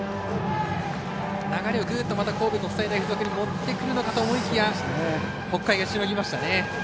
流れを神戸国際大付属に持ってくるのかと思いきや北海がしのぎましたね。